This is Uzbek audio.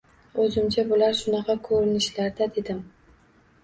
Oʻzimcha bular shunaqa koʻrinishlarda dedim.